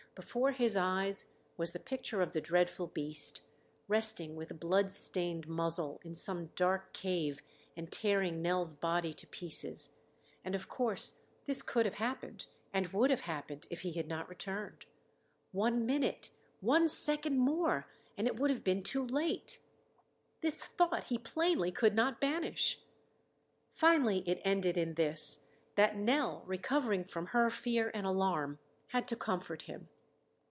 Before his eyes was the picture of the dreadful beast, resting with blood stained muzzle in some dark cave and tearing Nell's body to pieces. And of course, this could have happened and would have happened if he had not returned. One minute, one second more and it would have been too late. This thought he plainly could not banish. Finally it ended in this, that Nell, recovering from her fear and alarm, had to comfort him.